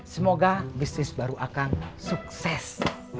semoga bisnis baru akan sukses